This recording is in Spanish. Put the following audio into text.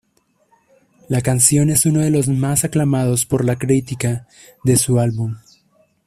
La canción es uno de los más aclamados por la crítica de su álbum.